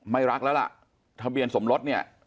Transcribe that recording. ไม่รักแล้วล่ะทะเบียนสมรสเนี่ย